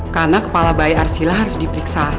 karena kepala bayi arsila harus dipriksa